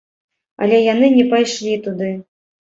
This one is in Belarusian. Але яны не пайшлі туды.